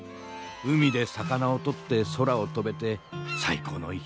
海で魚を取って空を飛べて最高の生き方だ。